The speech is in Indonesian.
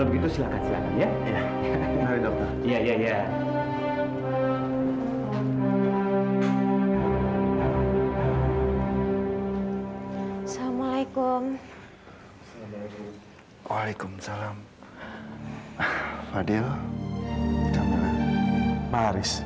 kami kerabat dekatnya pak haris